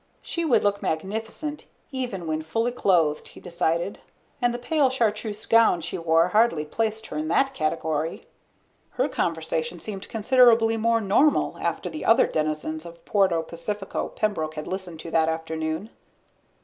She would look magnificent even when fully clothed, he decided, and the pale chartreuse gown she wore hardly placed her in that category. Her conversation seemed considerably more normal after the other denizens of Puerto Pacifico Pembroke had listened to that afternoon.